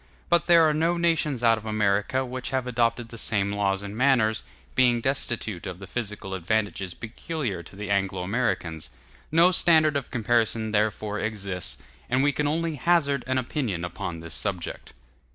But there are no nations out of America which have adopted the same laws and manners, being destitute of the physical advantages peculiar to the Anglo Americans. No standard of comparison therefore exists, and we can only hazard an opinion upon this subject.